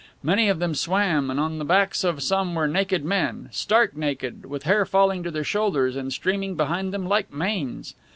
Many of them swam and on the backs of some were naked men, stark naked, with hair falling to their shoulders and streaming behind them like manes.